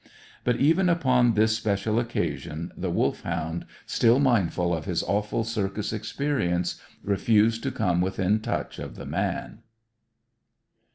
But even upon this special occasion the Wolfhound, still mindful of his awful circus experience, refused to come within touch of the man.